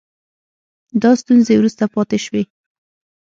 دا ستونزې وروسته زیاتې شوې